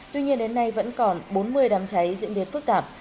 tuy nhiên đến nay vẫn còn bốn mươi đám cháy diễn biến phức tạp